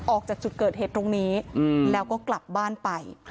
ออกจากจุดเกิดเหตุตรงนี้แล้วก็กลับบ้านไป